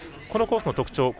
このコースの特徴